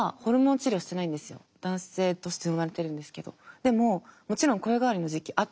でももちろん声変わりの時期あったんですよ。